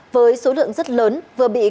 với số lượng rất lớn vừa bị cốp